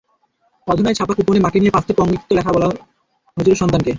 অধুনায় ছাপা কুপনে মাকে নিয়ে পাঁচটি পঙ্ক্তি লিখতে বলা হয়েছিল সন্তানকে।